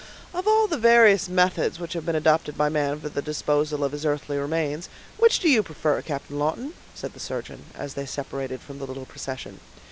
"Of all the various methods which have been adopted by man for the disposal of his earthly remains, which do you prefer, Captain Lawton?" said the surgeon, as they separated from the little procession.